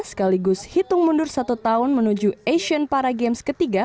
sekaligus hitung mundur satu tahun menuju asean paragames ketiga